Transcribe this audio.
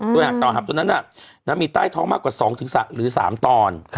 ตัวอย่างต่อหับตัวนั้นมีใต้ท้องมากกว่า๒๓ตอน